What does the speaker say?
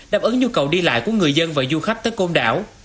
đáp ứng nhu cầu đi lại của người dân và du khách tới công đảo